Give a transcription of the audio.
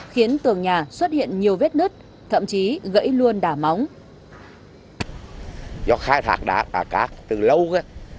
khiến tường nhà xuất hiện nhiều vết nứt thậm chí gãy luôn đà móng